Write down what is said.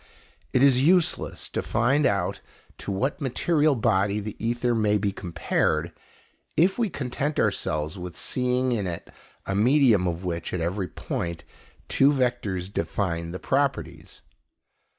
It is useless to find out to what material body the ether may be compared, if we content ourselves with seeing in it a medium of which, at every point, two vectors define the properties.